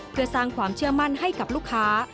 เพื่อสร้างความเชื่อมั่นให้กับลูกค้า